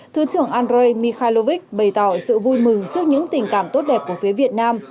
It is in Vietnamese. thứ trưởng andrei mikhailovich bày tỏ sự vui mừng trước những tình cảm tốt đẹp của phía việt nam